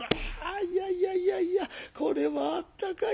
「あいやいやいやいやこれはあったかい。